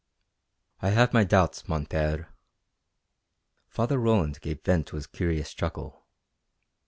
"I have my doubts, mon Père." Father Roland gave vent to his curious chuckle.